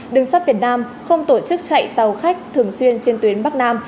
đường sắt việt nam không tổ chức chạy tàu khách thường xuyên trên tuyến bắc nam